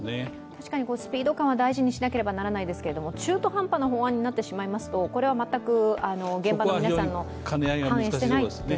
確かにスピード感は大事にしなければならないですけど中途半端な法案になってしまいますとここは全く、現場の皆さんの意見を反映していないということになってしまいますからね。